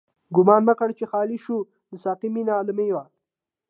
گومان مکړه چی خالی شوه، د ساقی مینا له میو